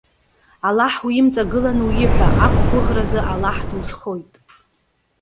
Аллаҳ уимҵагыланы уиҳәа, ақәгәыӷразы Аллаҳ дузхоит.